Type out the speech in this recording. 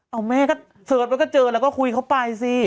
เอาแม่ก็เสิร์ชมันก็เจอแล้วก็คุยเขาไปสิ